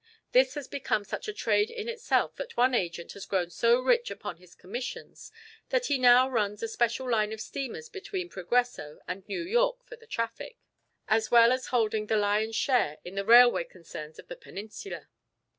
This has become such a trade in itself that one agent has grown so rich upon his commissions that he now runs a special line of steamers between Progreso and New York for the traffic, as well as holding the "lion's share" in the railway concerns of the Peninsula.